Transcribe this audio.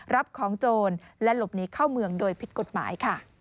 รับของโจรและหลบหนีเข้าเมืองโดยผิดกฎหมายค่ะ